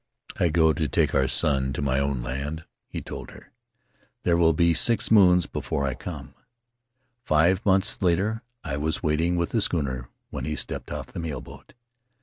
'I go to take our son to my own land,' he told her; 'there will be six moons before I come.' Five months later I was waiting with the schooner when he stepped off the mail boat.